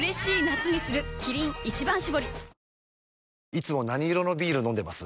いつも何色のビール飲んでます？